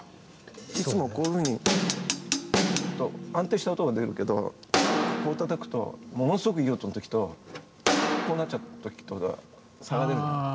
いつもこういうふうに安定した音が出るけどこうたたくとものすごくいい音の時とこうなっちゃった時とが差が出る。